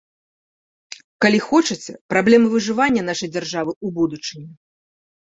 Калі хочаце, праблемы выжывання нашай дзяржавы ў будучыні.